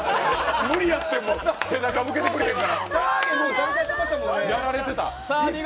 無理やって、背中向けてくれへんから。やられてた。